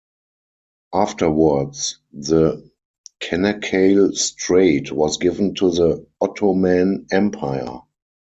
Afterwards, the Canakkale strait was given to the Ottoman Empire.